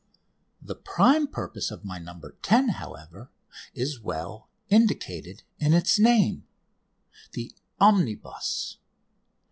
The prime purpose of my "No. 10," however, is well indicated in its name: "The Omnibus."